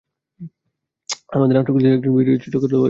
আমাদের আটককৃত একজন বিদ্রোহী চিত্রকর তোমার জন্য এটা রেখে গেছে।